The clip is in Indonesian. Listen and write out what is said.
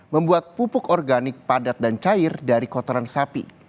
membuat pupuk organik padat dan cair dari kotoran sapi